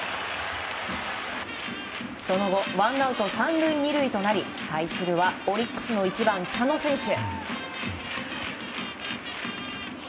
その後、ワンアウト３塁２塁となり対するはオリックスの１番、茶野選手。